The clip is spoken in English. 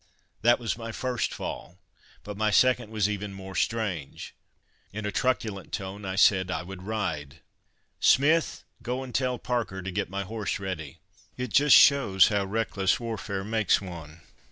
That was my first fall, but my second was even more strange. In a truculent tone I said I would ride! "Smith, go and tell Parker to get my horse ready!" It just shows how reckless warfare makes one.